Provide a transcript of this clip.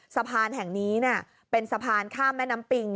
สะพานแห่งนี้เป็นสะพานข้ามแม่น้ำปิง